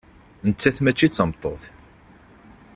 Nettat mačči d tameṭṭut.